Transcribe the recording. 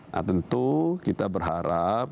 nah tentu kita berharap